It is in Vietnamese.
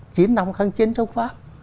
chiến năm kháng chiến trong pháp